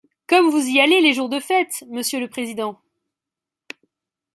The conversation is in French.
Comme vous y allez les jours de fête, monsieur le président!